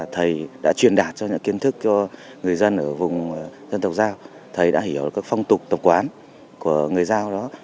thầy đã hiểu các phong tục tập quán của người giao đó